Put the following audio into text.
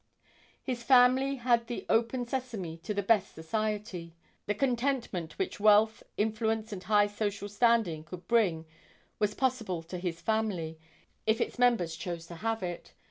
His family had the open sesame to the best society. The contentment which wealth, influence and high social standing could bring was possible to his family, if its members chose to have it.